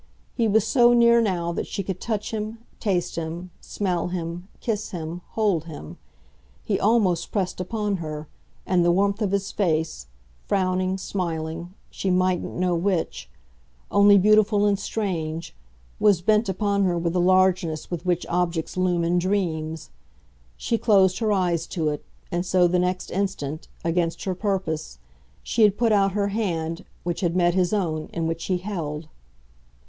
He was so near now that she could touch him, taste him, smell him, kiss him, hold him; he almost pressed upon her, and the warmth of his face frowning, smiling, she mightn't know which; only beautiful and strange was bent upon her with the largeness with which objects loom in dreams. She closed her eyes to it, and so, the next instant, against her purpose, she had put out her hand, which had met his own and which he held.